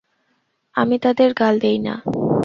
আমি তাদের গাল দিই না।